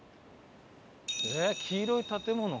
黄色い建物？